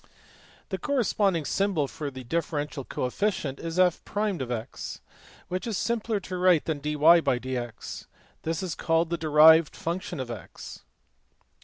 The corresponding symbol for the differential coefficient is~$f'(x)$, which is simpler to write than $\dfrac{dy}{dx}$. This is called the ``derived function'' of~$x$.